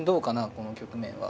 この局面は。